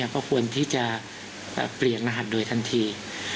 ก็ควรที่จะเปลี่ยนรหัสโดยทันที